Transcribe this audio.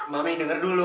mami dengar dulu